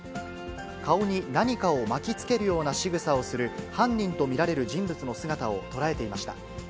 顔に何かを巻きつけるようなしぐさをする、犯人と見られる人物の姿を捉えていました。